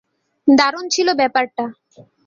দারুণ ছিল ব্যাপারটা।